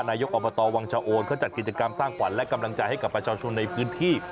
นายกอบตวังชะโอนเขาจัดกิจกรรมสร้างขวัญและกำลังใจให้กับประชาชนในพื้นที่